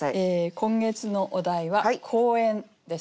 今月のお題は「公園」ですね。